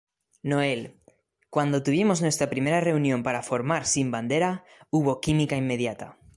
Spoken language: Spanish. Noel: "Cuando tuvimos nuestra primera reunión para formar Sin Bandera, hubo química inmediata.